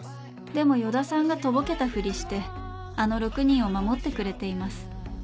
でも与田さんがとぼけたふりしてあの６人を守ってくれています